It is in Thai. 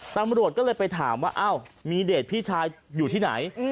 ตำรวจก็เลยไปถามว่าอ้าวมีเดชพี่ชายอยู่ที่ไหน